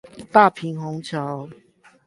大平紅橋